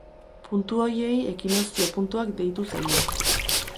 Puntu horiei ekinokzio puntuak deitu zaie.